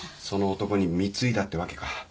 その男に貢いだってわけか。